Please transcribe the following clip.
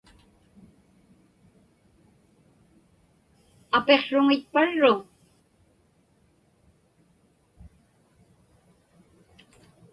Apiqsruŋitparruŋ?